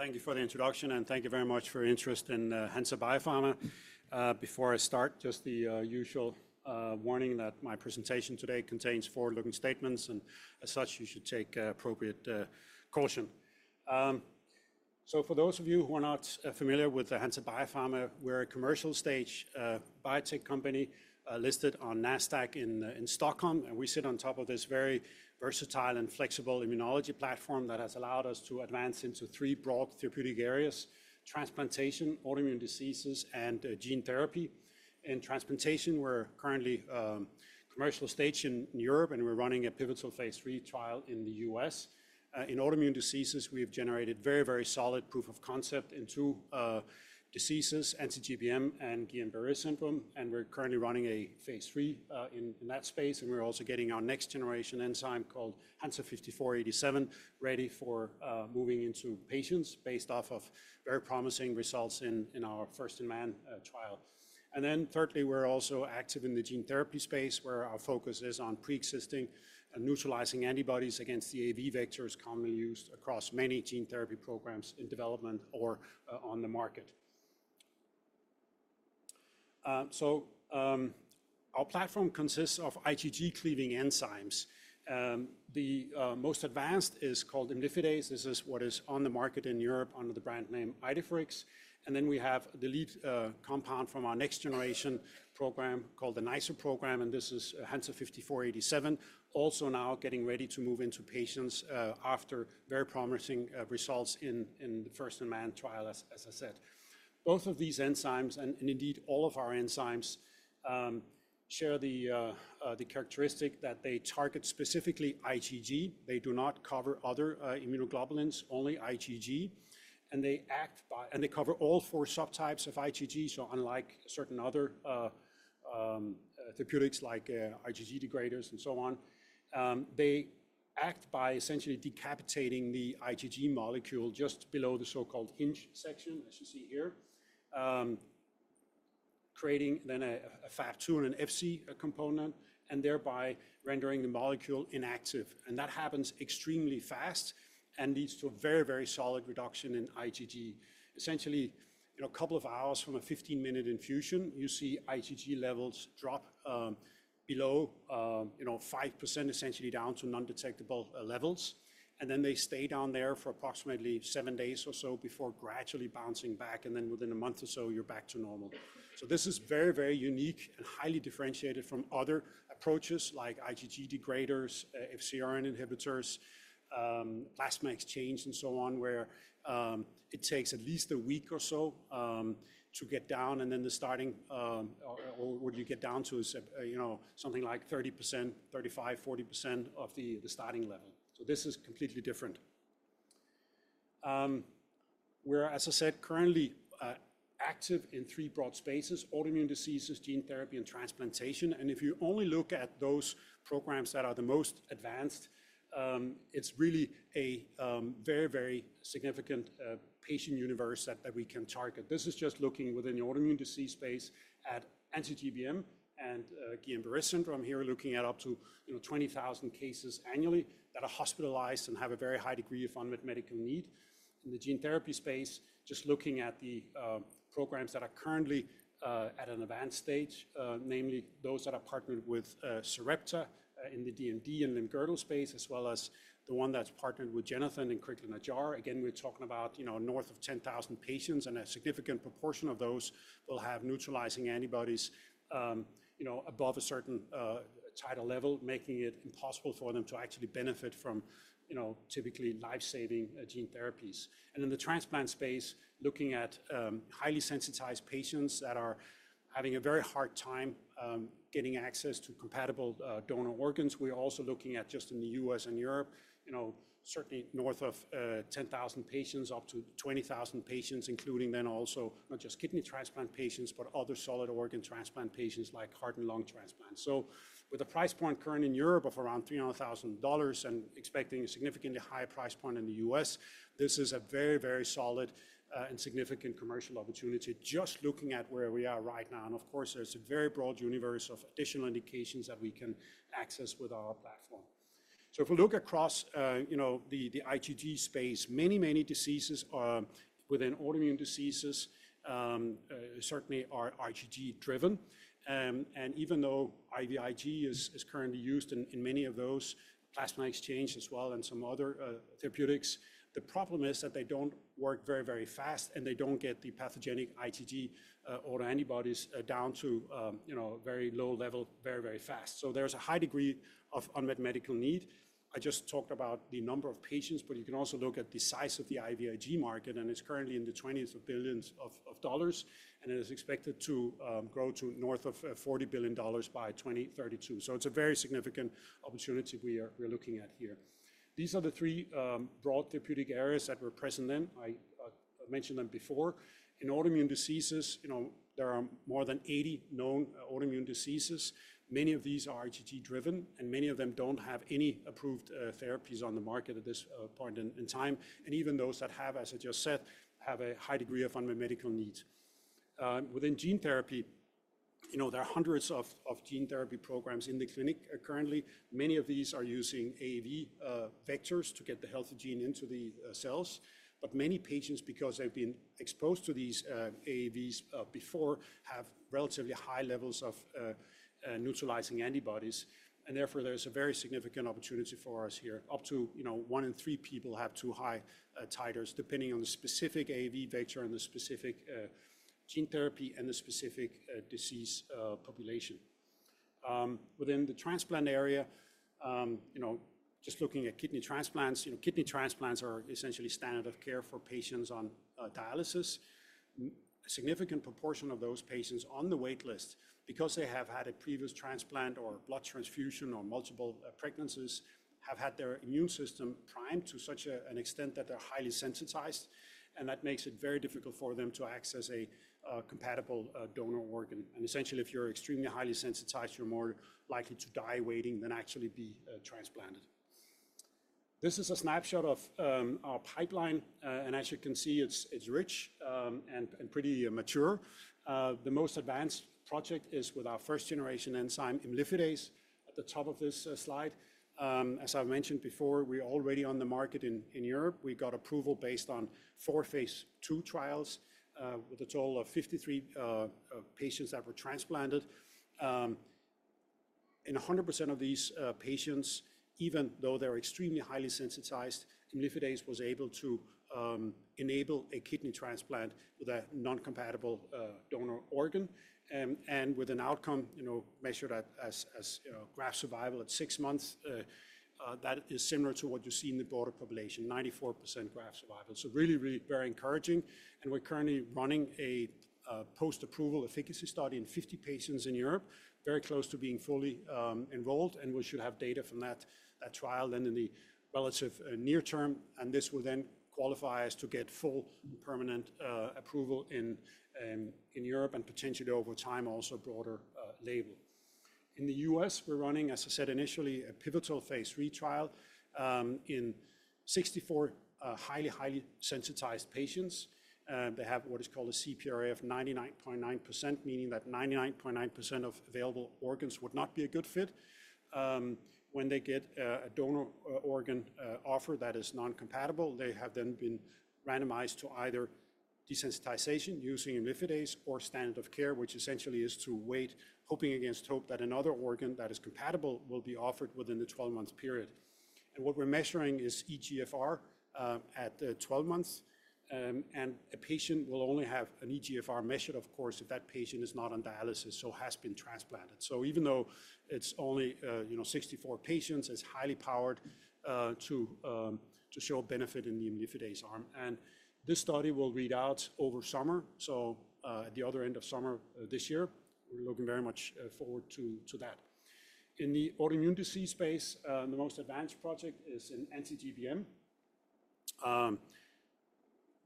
Thank you for the introduction, and thank you very much for your interest in Hansa Biopharma. Before I start, just the usual warning that my presentation today contains forward-looking statements, and as such, you should take appropriate caution. For those of you who are not familiar with Hansa Biopharma, we're a commercial-stage biotech company listed on Nasdaq in Stockholm, and we sit on top of this very versatile and flexible immunology platform that has allowed us to advance into three broad therapeutic areas: transplantation, autoimmune diseases, and gene therapy. In transplantation, we're currently in a commercial stage in Europe, and we're running a pivotal phase III trial in the U.S. In autoimmune diseases, we've generated very, very solid proof of concept in two diseases: anti-GBM and Guillain-Barré syndrome, and we're currently running a phase III in that space. We're also getting our next-generation enzyme called Hansa 5487 ready for moving into patients, based off of very promising results in our first-in-man trial. Thirdly, we're also active in the gene therapy space, where our focus is on pre-existing and neutralizing antibodies against the AAV vectors commonly used across many gene therapy programs in development or on the market. Our platform consists of IgG cleaving enzymes. The most advanced is called imlifidase. This is what is on the market in Europe under the brand name Idefirix. We have the lead compound from our next-generation program called the NiceR program, and this is Hansa 5487, also now getting ready to move into patients after very promising results in the first-in-man trial, as I said. Both of these enzymes, and indeed all of our enzymes, share the characteristic that they target specifically IgG. They do not cover other immunoglobulins, only IgG, and they cover all four subtypes of IgG. Unlike certain other therapeutics like IgG degraders and so on, they act by essentially decapitating the IgG molecule just below the so-called hinge section, as you see here, creating then a F(ab')2 and an Fc component, and thereby rendering the molecule inactive. That happens extremely fast and leads to a very, very solid reduction in IgG. Essentially, in a couple of hours from a 15-minute infusion, you see IgG levels drop below 5%, essentially down to non-detectable levels, and then they stay down there for approximately seven days or so before gradually bouncing back, and then within a month or so, you're back to normal. This is very, very unique and highly differentiated from other approaches like IgG degraders, FcRn inhibitors, plasma exchange, and so on, where it takes at least a week or so to get down, and then the starting or what you get down to is something like 30%, 35%, 40% of the starting level. This is completely different. We're, as I said, currently active in three broad spaces: autoimmune diseases, gene therapy, and transplantation. If you only look at those programs that are the most advanced, it's really a very, very significant patient universe that we can target. This is just looking within the autoimmune disease space at anti-GBM and Guillain-Barré syndrome here, looking at up to 20,000 cases annually that are hospitalized and have a very high degree of unmet medical need. In the gene therapy space, just looking at the programs that are currently at an advanced stage, namely those that are partnered with Sarepta in the DMD and limb-girdle space, as well as the one that's partnered with Généthon in Crigler-Najjar. Again, we're talking about north of 10,000 patients, and a significant proportion of those will have neutralizing antibodies above a certain titer level, making it impossible for them to actually benefit from typically life-saving gene therapies. In the transplant space, looking at highly sensitized patients that are having a very hard time getting access to compatible donor organs, we're also looking at just in the U.S. and Europe, certainly north of 10,000 patients, up to 20,000 patients, including then also not just kidney transplant patients, but other solid organ transplant patients like heart and lung transplants. With a price point current in Europe of around $300,000 and expecting a significantly higher price point in the U.S., this is a very, very solid and significant commercial opportunity just looking at where we are right now. Of course, there is a very broad universe of additional indications that we can access with our platform. If we look across the IgG space, many, many diseases within autoimmune diseases certainly are IgG-driven. Even though IVIG is currently used in many of those, plasma exchange as well, and some other therapeutics, the problem is that they do not work very, very fast, and they do not get the pathogenic IgG autoantibodies down to a very low level very, very fast. There is a high degree of unmet medical need. I just talked about the number of patients, but you can also look at the size of the IVIG market, and it's currently in the $20 billion range, and it is expected to grow to north of $40 billion by 2032. It is a very significant opportunity we're looking at here. These are the three broad therapeutic areas that were present then. I mentioned them before. In autoimmune diseases, there are more than 80 known autoimmune diseases. Many of these are IgG-driven, and many of them don't have any approved therapies on the market at this point in time, and even those that have, as I just said, have a high degree of unmet medical needs. Within gene therapy, there are hundreds of gene therapy programs in the clinic currently. Many of these are using AAV vectors to get the healthy gene into the cells, but many patients, because they've been exposed to these AAVs before, have relatively high levels of neutralizing antibodies, and therefore there's a very significant opportunity for us here. Up to one in three people have too high titers, depending on the specific AAV vector and the specific gene therapy and the specific disease population. Within the transplant area, just looking at kidney transplants, kidney transplants are essentially standard of care for patients on dialysis. A significant proportion of those patients on the waitlist, because they have had a previous transplant or blood transfusion or multiple pregnancies, have had their immune system primed to such an extent that they're highly sensitized, and that makes it very difficult for them to access a compatible donor organ. If you're extremely highly sensitized, you're more likely to die waiting than actually be transplanted. This is a snapshot of our pipeline, and as you can see, it's rich and pretty mature. The most advanced project is with our first-generation enzyme, imlifidase, at the top of this slide. As I've mentioned before, we're already on the market in Europe. We got approval based on four phase II trials with a total of 53 patients that were transplanted. In 100% of these patients, even though they're extremely highly sensitized, imlifidase was able to enable a kidney transplant with a non-compatible donor organ and with an outcome measured as graft survival at six months that is similar to what you see in the broader population, 94% graft survival. Really, really very encouraging. We are currently running a post-approval efficacy study in 50 patients in Europe, very close to being fully enrolled, and we should have data from that trial in the relatively near term. This will then qualify us to get full permanent approval in Europe and potentially over time also a broader label. In the U.S., we are running, as I said initially, a pivotal phase III trial in 64 highly, highly sensitized patients. They have what is called a CPRA of 99.9%, meaning that 99.9% of available organs would not be a good fit. When they get a donor organ offer that is non-compatible, they have then been randomized to either desensitization using imlifidase or standard of care, which essentially is to wait, hoping against hope that another organ that is compatible will be offered within the 12-month period. What we're measuring is eGFR at 12 months, and a patient will only have an eGFR measured, of course, if that patient is not on dialysis or has been transplanted. Even though it's only 64 patients, it's highly powered to show benefit in the imlifidase arm. This study will read out over summer, at the other end of summer this year. We're looking very much forward to that. In the autoimmune disease space, the most advanced project is in anti-GBM, a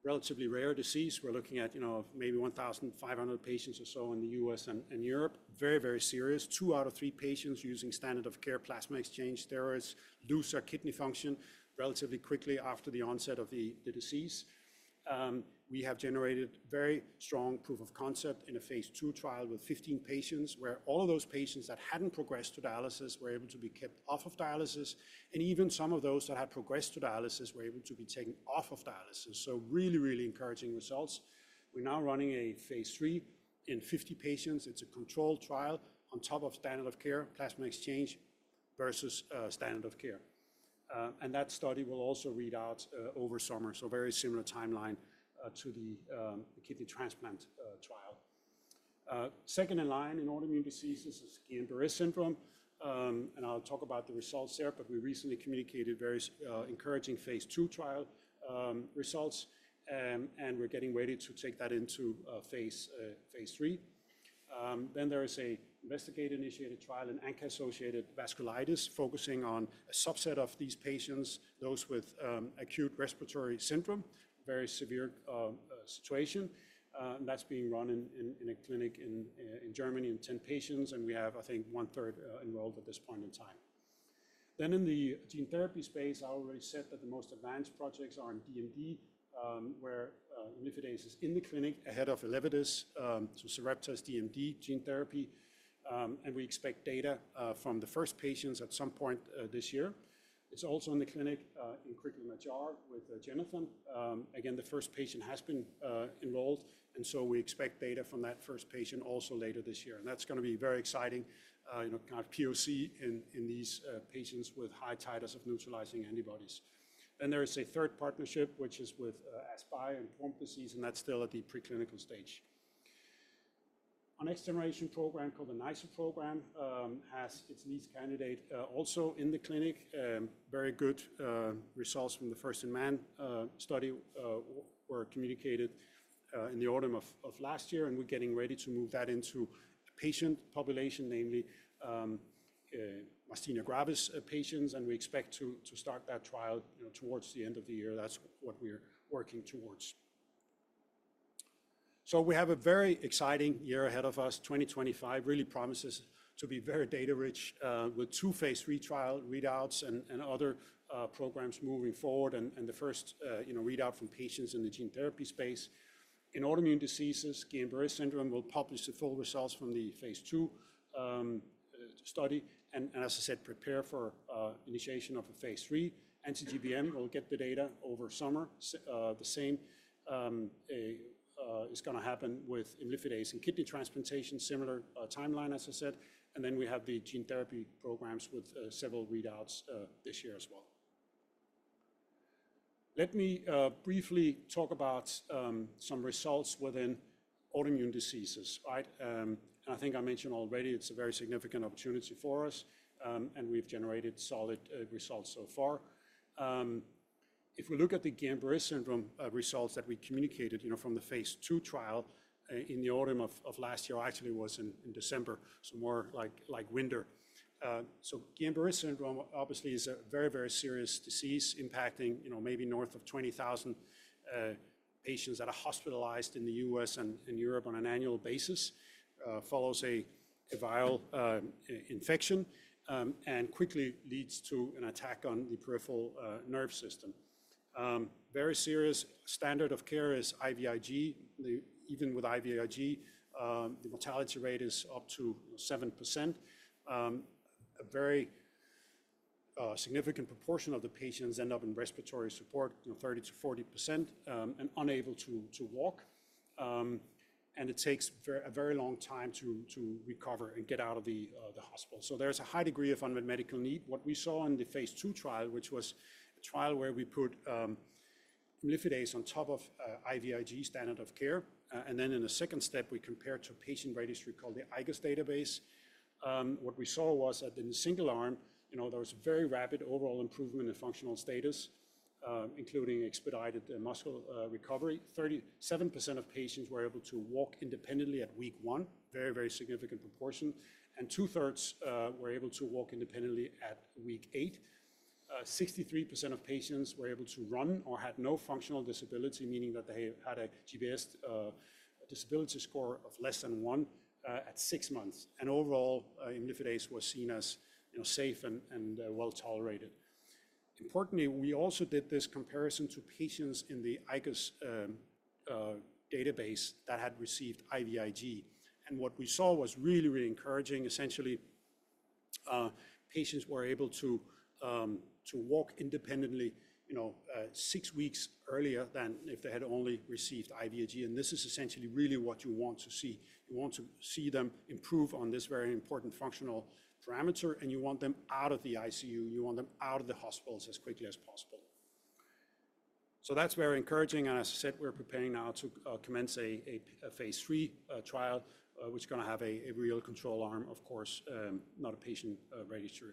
relatively rare disease. We're looking at maybe 1,500 patients or so in the U.S. and Europe, very, very serious. Two out of three patients using standard of care plasma exchange. There is loss of kidney function relatively quickly after the onset of the disease. We have generated very strong proof of concept in a phase II trial with 15 patients where all of those patients that had not progressed to dialysis were able to be kept off of dialysis, and even some of those that had progressed to dialysis were able to be taken off of dialysis. Really, really encouraging results. We are now running a phase III in 50 patients. It is a controlled trial on top of standard of care plasma exchange versus standard of care. That study will also read out over summer, very similar timeline to the kidney transplant trial. Second in line in autoimmune diseases is Guillain-Barré syndrome, and I will talk about the results there, but we recently communicated very encouraging phase II trial results, and we are getting ready to take that into phase III. There is an investigator-initiated trial in ANCA-associated vasculitis focusing on a subset of these patients, those with acute respiratory syndrome, very severe situation, and that's being run in a clinic in Germany in 10 patients, and we have, I think, one-third enrolled at this point in time. In the gene therapy space, I already said that the most advanced projects are in DMD, where imlifidase is in the clinic ahead of Elevidys, so Sarepta's DMD gene therapy, and we expect data from the first patients at some point this year. It's also in the clinic in Crigler-Najjar with Généthon. Again, the first patient has been enrolled, and we expect data from that first patient also later this year. That's going to be very exciting, kind of POC in these patients with high titers of neutralizing antibodies. There is a third partnership, which is with AskBio and Pompe disease, and that's still at the preclinical stage. Our next-generation program called the NiceR program has its lead candidate also in the clinic. Very good results from the first-in-man study were communicated in the autumn of last year, and we're getting ready to move that into patient population, namely myasthenia gravis patients, and we expect to start that trial towards the end of the year. That's what we're working towards. We have a very exciting year ahead of us. 2025 really promises to be very data-rich with two phase III trial readouts and other programs moving forward and the first readout from patients in the gene therapy space. In autoimmune diseases, Guillain-Barré syndrome will publish the full results from the phase II study, and as I said, prepare for initiation of a phase III. Anti-GBM will get the data over summer. The same is going to happen with imlifidase and kidney transplantation, similar timeline, as I said, and then we have the gene therapy programs with several readouts this year as well. Let me briefly talk about some results within autoimmune diseases. I think I mentioned already it's a very significant opportunity for us, and we've generated solid results so far. If we look at the Guillain-Barré syndrome results that we communicated from the phase II trial in the autumn of last year, actually was in December, so more like winter. Guillain-Barré syndrome obviously is a very, very serious disease impacting maybe north of 20,000 patients that are hospitalized in the U.S. and Europe on an annual basis, follows a viral infection, and quickly leads to an attack on the peripheral nervous system. Very serious standard of care is IVIG. Even with IVIG, the mortality rate is up to 7%. A very significant proportion of the patients end up in respiratory support, 30%-40%, and unable to walk, and it takes a very long time to recover and get out of the hospital. There is a high degree of unmet medical need. What we saw in the phase II trial, which was a trial where we put imlifidase on top of IVIG standard of care, and then in a second step, we compared to a patient registry called the IGOS database. What we saw was that in the single arm, there was a very rapid overall improvement in functional status, including expedited muscle recovery. 37% of patients were able to walk independently at week one, very, very significant proportion, and two-thirds were able to walk independently at week eight. 63% of patients were able to run or had no functional disability, meaning that they had a GBS disability score of less than one at six months, and overall, imlifidase was seen as safe and well tolerated. Importantly, we also did this comparison to patients in the IGOS database that had received IVIG, and what we saw was really, really encouraging. Essentially, patients were able to walk independently six weeks earlier than if they had only received IVIG, and this is essentially really what you want to see. You want to see them improve on this very important functional parameter, and you want them out of the ICU. You want them out of the hospitals as quickly as possible. That's very encouraging, and as I said, we're preparing now to commence a phase III trial, which is going to have a real control arm, of course, not a patient registry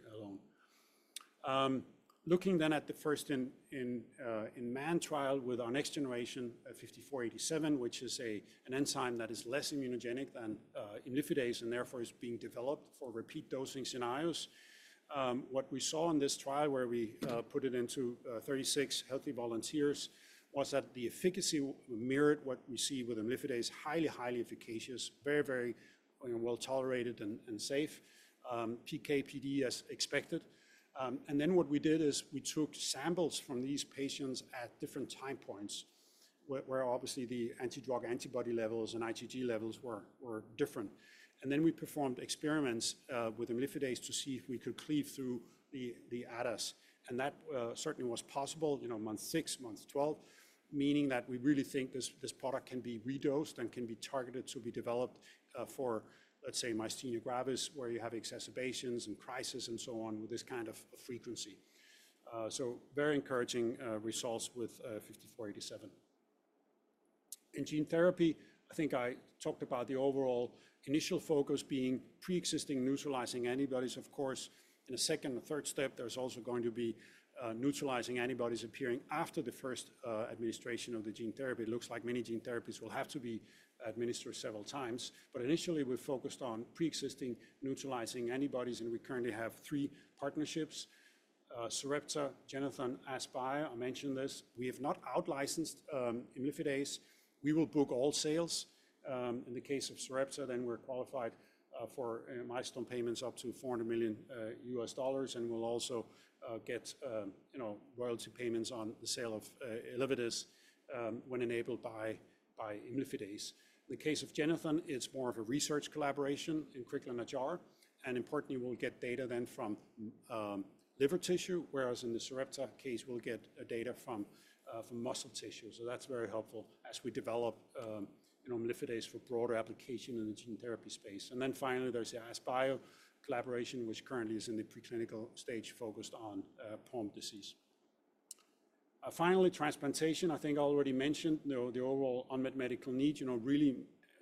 alone. Looking then at the first-in-man trial with our next generation, 5487, which is an enzyme that is less immunogenic than imlifidase, and therefore is being developed for repeat dosing scenarios. What we saw in this trial where we put it into 36 healthy volunteers was that the efficacy mirrored what we see with imlifidase, highly, highly efficacious, very, very well tolerated and safe, PK/PD as expected. Then what we did is we took samples from these patients at different time points where obviously the antidrug antibody levels and IgG levels were different. We performed experiments with imlifidase to see if we could cleave through the ADAs, and that certainly was possible, month six, month 12, meaning that we really think this product can be redosed and can be targeted to be developed for, let's say, myasthenia gravis, where you have exacerbations and crises and so on with this kind of frequency. Very encouraging results with 5487. In gene therapy, I think I talked about the overall initial focus being pre-existing neutralizing antibodies. Of course, in a second or third step, there is also going to be neutralizing antibodies appearing after the first administration of the gene therapy. It looks like many gene therapies will have to be administered several times, but initially we are focused on pre-existing neutralizing antibodies, and we currently have three partnerships: Sarepta, Généthon, Asklepios. I mentioned this. We have not outlicensed imlifidase. We will book all sales. In the case of Sarepta, then we're qualified for milestone payments up to $400 million, and we'll also get royalty payments on the sale of Elevidys when enabled by imlifidase. In the case of Généthon, it's more of a research collaboration in Crigler-Najjar, and importantly, we'll get data then from liver tissue, whereas in the Sarepta case, we'll get data from muscle tissue. That is very helpful as we develop imlifidase for broader application in the gene therapy space. Finally, there's the Asklepios collaboration, which currently is in the preclinical stage focused on Pompe disease. Finally, transplantation, I think I already mentioned the overall unmet medical need, really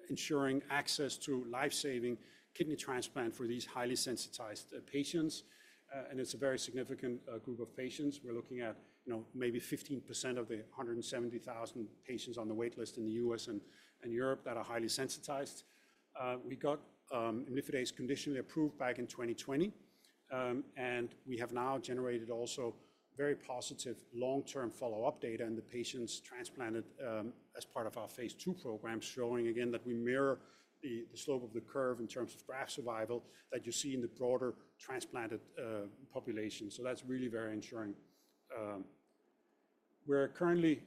ensuring access to lifesaving kidney transplant for these highly sensitized patients, and it's a very significant group of patients. We're looking at maybe 15% of the 170,000 patients on the waitlist in the U.S. and Europe that are highly sensitized. We got imlifidase conditionally approved back in 2020, and we have now generated also very positive long-term follow-up data in the patients transplanted as part of our phase II program, showing again that we mirror the slope of the curve in terms of graft survival that you see in the broader transplanted population. That is really very ensuring. We are currently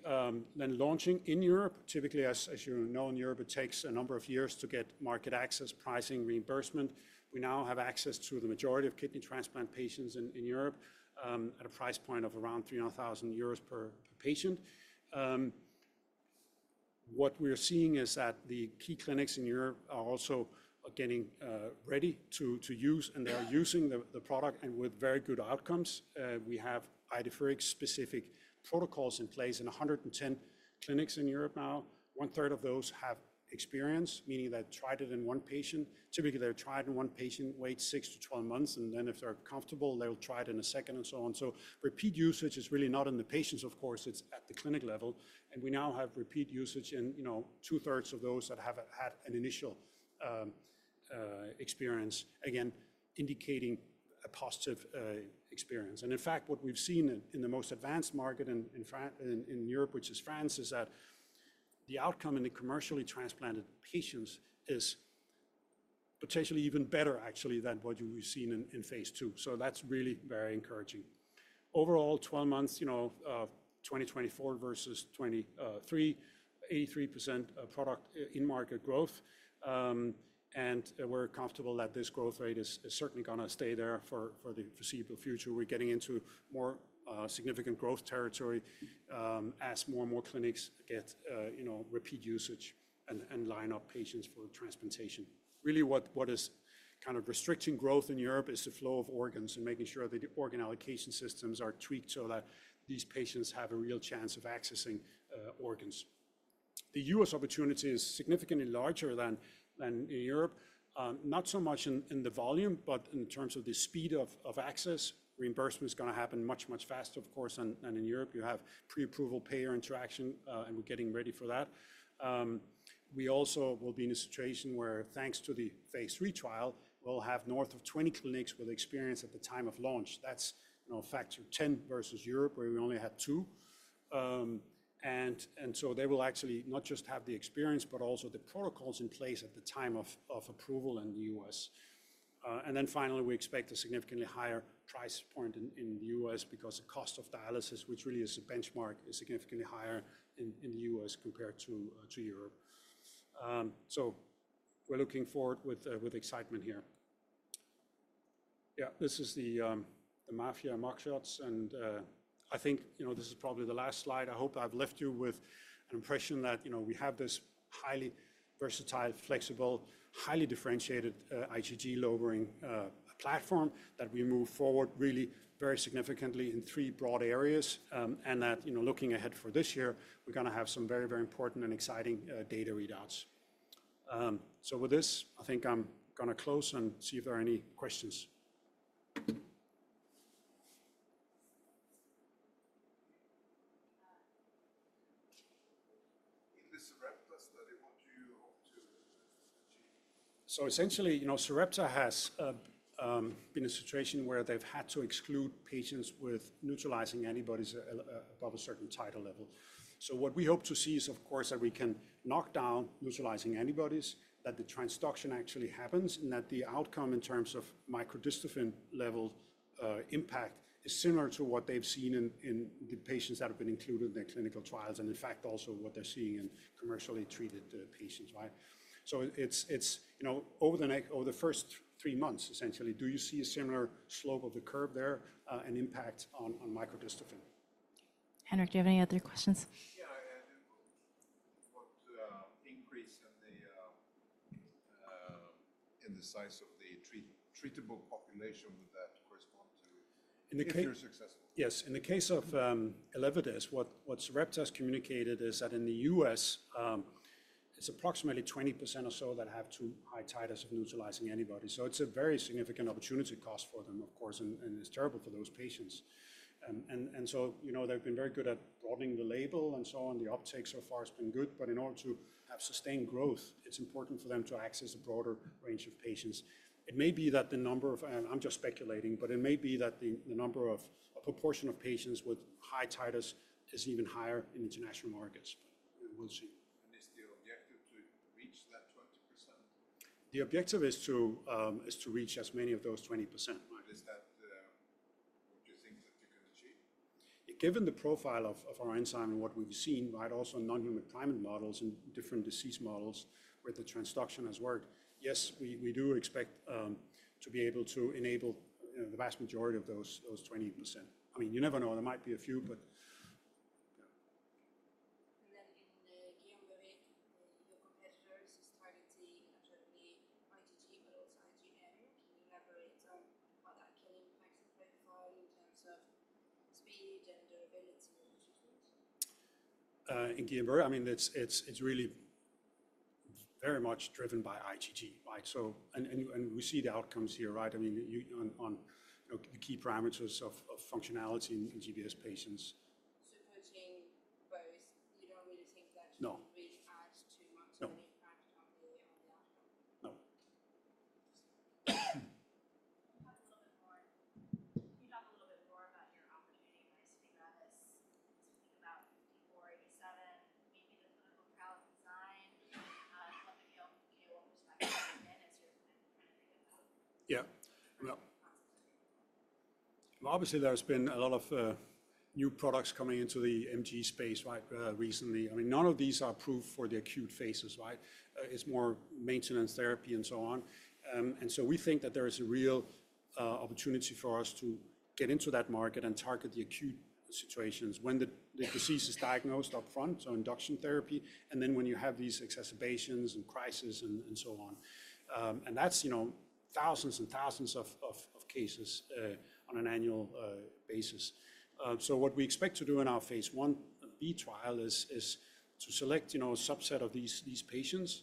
then launching in Europe. Typically, as you know, in Europe, it takes a number of years to get market access, pricing, reimbursement. We now have access to the majority of kidney transplant patients in Europe at a price point of around 300,000 euros per patient. What we are seeing is that the key clinics in Europe are also getting ready to use, and they are using the product and with very good outcomes. We have Idefirix-specific protocols in place in 110 clinics in Europe now. One-third of those have experience, meaning they've tried it in one patient. Typically, they're tried in one patient, wait 6 to 12 months, and then if they're comfortable, they'll try it in a second and so on. Repeat usage is really not in the patients, of course. It's at the clinic level, and we now have repeat usage in two-thirds of those that have had an initial experience, again, indicating a positive experience. In fact, what we've seen in the most advanced market in Europe, which is France, is that the outcome in the commercially transplanted patients is potentially even better, actually, than what we've seen in phase II. That's really very encouraging. Overall, 12 months, 2024 versus 2023, 83% product in-market growth, and we're comfortable that this growth rate is certainly going to stay there for the foreseeable future. We're getting into more significant growth territory as more and more clinics get repeat usage and line up patients for transplantation. Really, what is kind of restricting growth in Europe is the flow of organs and making sure that the organ allocation systems are tweaked so that these patients have a real chance of accessing organs. The U.S. opportunity is significantly larger than in Europe, not so much in the volume, but in terms of the speed of access. Reimbursement is going to happen much, much faster, of course, than in Europe. You have pre-approval payer interaction, and we're getting ready for that. We also will be in a situation where, thanks to the phase III trial, we'll have north of 20 clinics with experience at the time of launch. That's a factor of 10 versus Europe, where we only had two. They will actually not just have the experience, but also the protocols in place at the time of approval in the U.S. Finally, we expect a significantly higher price point in the U.S. because the cost of dialysis, which really is a benchmark, is significantly higher in the U.S. compared to Europe. We are looking forward with excitement here. This is the Mafia mugshots, and I think this is probably the last slide. I hope I have left you with an impression that we have this highly versatile, flexible, highly differentiated IgG lowering platform that we move forward really very significantly in three broad areas, and that looking ahead for this year, we are going to have some very, very important and exciting data readouts. With this, I think I am going to close and see if there are any questions. In the Sarepta study, what do you hope to achieve? [inaudible] Essentially, Sarepta has been a situation where they've had to exclude patients with neutralizing antibodies above a certain titer level. What we hope to see is, of course, that we can knock down neutralizing antibodies, that the transduction actually happens, and that the outcome in terms of microdystrophin level impact is similar to what they've seen in the patients that have been included in their clinical trials, and in fact, also what they're seeing in commercially treated patients. It's over the first three months, essentially, do you see a similar slope of the curve there and impact on microdystrophin? Henrik, do you have any other questions? Yeah, what increase in the size of the population would that correspond to in the case you're successful? Yes, in the case of Elevidys, what Sarepta has communicated is that in the U.S., it's approximately 20% or so that have too high titers of neutralizing antibodies. It is a very significant opportunity cost for them, of course, and it's terrible for those patients. They have been very good at broadening the label and so on. The uptake so far has been good, but in order to have sustained growth, it is important for them to access a broader range of patients. It may be that the number of—I am just speculating—but it may be that the number or proportion of patients with high titers is even higher in international markets. We will see. Is the objective to reach that 20%? The objective is to reach as many of those 20%. Is that what you think that you can achieve? Given the profile of our enzyme and what we've seen, right, also in non-human primate models and different disease models where the transduction has worked, yes, we do expect to be able to enable the vast majority of those 20%. I mean, you never know, there might be a few, but yeah. In the anti-GBM, your competitor is targeting not only IgG, but also IgM. Can you elaborate on how that can impact the profile in terms of speed and durability of the treatment? [Audio Distortion/ Inaudible] In anti-GBM, I mean, it's really very much driven by IgG, right? I mean, we see the outcomes here, right? I mean, on the key parameters of functionality in GBS patients. Putting both, you don't really think that you can really add too much of an impact on the outcome? [inaudible] No. Can you talk a little bit more about your opportunity for myasthenia gravis? Speaking about 5487, maybe the clinical trial design from the anti-GBM perspective has been as you're kind of trying to think about? [inaudible] Yeah. Obviously, there's been a lot of new products coming into the MG space, right, recently. I mean, none of these are approved for the acute phases, right? It's more maintenance therapy and so on. We think that there is a real opportunity for us to get into that market and target the acute situations when the disease is diagnosed upfront, so induction therapy, and then when you have these exacerbations and crises and so on. That's thousands and thousands of cases on an annual basis. What we expect to do in our phase Ib trial is to select a subset of these patients,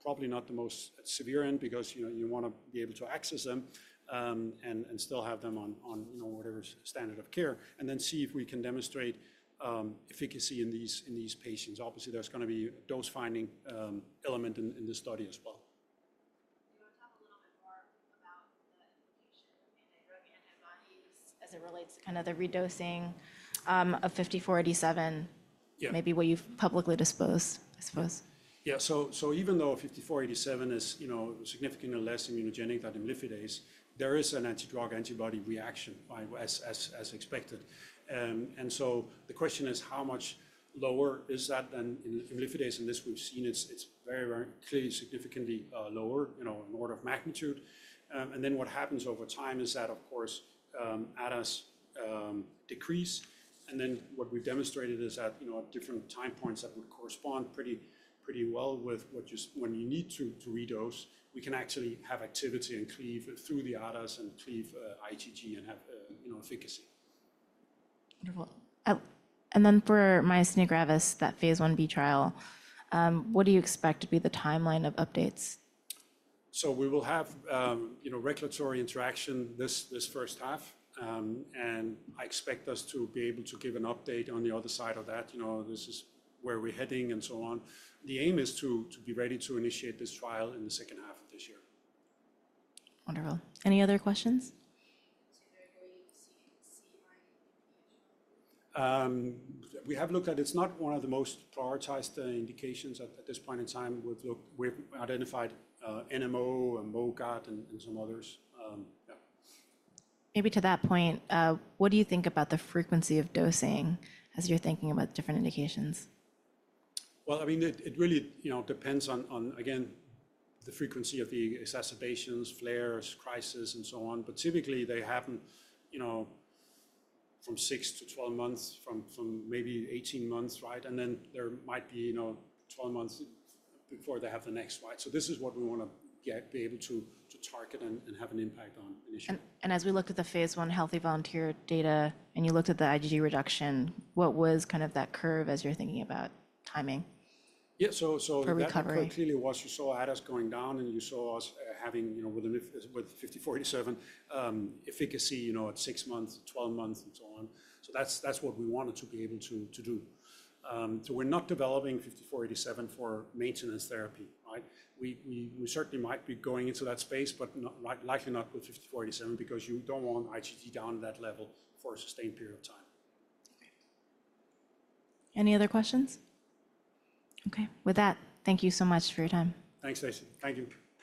probably not the most severe end because you want to be able to access them and still have them on whatever standard of care, and then see if we can demonstrate efficacy in these patients. Obviously, there's going to be a dose-finding element in this study as well. Can you talk a little bit more about the implication of antidrug antibodies as it relates to kind of the redosing of 5487, maybe what you publicly disclose, I suppose? Yeah, even though 5487 is significantly less immunogenic than imlifidase, there is an antidrug antibody reaction, right, as expected. The question is, how much lower is that than imlifidase? In this, we've seen it's very, very clearly significantly lower in order of magnitude. What happens over time is that, of course, ADAs decrease. What we've demonstrated is that at different time points that would correspond pretty well with when you need to redose, we can actually have activity and cleave through the ADAs and cleave IgG and have efficacy. Wonderful. For myasthenia gravis, that phase Ib trial, what do you expect to be the timeline of updates? We will have regulatory interaction this first half, and I expect us to be able to give an update on the other side of that. This is where we're heading and so on. The aim is to be ready to initiate this trial in the second half of this year. Wonderful. Any other questions? We have looked at it. It's not one of the most prioritized indications at this point in time. We've identified NMO and MOGAD and some others. Maybe to that point, what do you think about the frequency of dosing as you're thinking about different indications? I mean, it really depends on, again, the frequency of the exacerbations, flares, crises, and so on. Typically, they happen from 6 to 12 months, from maybe 18 months, right? There might be 12 months before they have the next, right? This is what we want to be able to target and have an impact on initially. As we looked at the phase I healthy volunteer data and you looked at the IgG reduction, what was kind of that curve as you're thinking about timing? Yeah, so recovery. Currently, it was you saw ADAs going down and you saw us having with 5487 efficacy at 6 months, 12 months, and so on. That's what we wanted to be able to do. We're not developing 5487 for maintenance therapy, right? We certainly might be going into that space, but likely not with 5487 because you don't want IgG down to that level for a sustained period of time. Any other questions? Okay, with that, thank you so much for your time. Thanks, Stacey. Thank you.